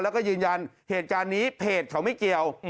แล้วก็ยืนยันเหตุการณ์นี้เพจเขาไม่เกี่ยว